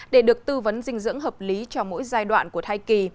để được tư vấn dinh dưỡng hợp lý cho mỗi giai đoạn của thai kỳ